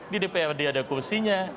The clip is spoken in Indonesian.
di dprd ada kursinya